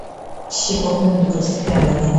সে কখনো লুকাস থেকে আলাদা হয় না।